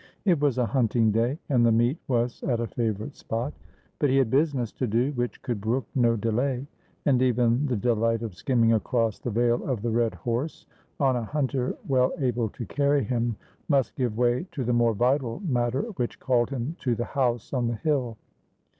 It was a hunting day, and the meet was at a favourite spot ; but he had business to do which could brook no delay, and even the delight of skimming across the Vale of the Red Horse, on a hunter well able to carry him, must give way to the more vital matter which called him to the house on the hill.